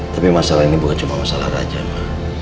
tapi masalah ini bukan cuma masalah raja mbak